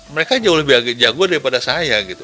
mereka jauh lebih jago daripada saya gitu